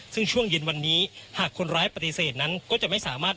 ซึ่งช่วงเย็นวันนี้หากคนร้ายปฏิเสธนั้นก็จะไม่สามารถ